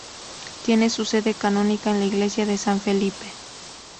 Tiene su sede canónica en la iglesia de San Felipe.